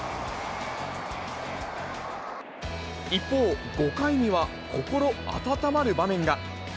一方、５回には心温まる場面が。